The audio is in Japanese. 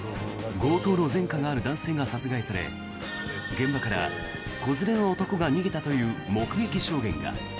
強盗の前科がある男性が殺害され現場から子連れの男が逃げたという目撃証言が。